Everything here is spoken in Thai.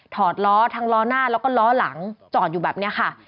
อดล้อทั้งล้อหน้าแล้วก็ล้อหลังจอดอยู่แบบนี้ค่ะ